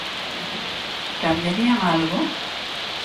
Cambiarían algo?